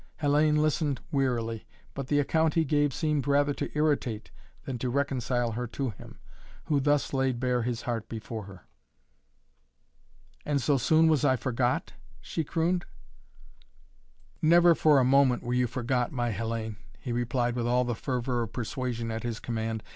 Hellayne listened wearily, but the account he gave seemed rather to irritate than to reconcile her to him, who thus laid bare his heart before her. "And so soon was I forgot?" she crooned. "Never for a moment were you forgot, my Hellayne," he replied with all the fervor of persuasion at his command.